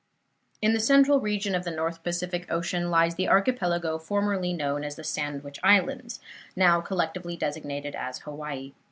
In the central region of the North Pacific Ocean lies the archipelago formerly known as the Sandwich Islands, now collectively designated as Hawaii.